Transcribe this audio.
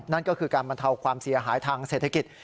นั่นก็คือการบรรเทาความเสียหายทางเศรษฐกิจ